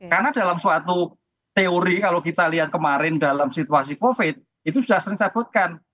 karena dalam suatu teori kalau kita lihat kemarin dalam situasi covid itu sudah sering dicabutkan